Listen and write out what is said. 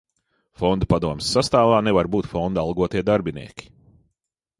Fonda padomes sastāvā nevar būt fonda algotie darbinieki.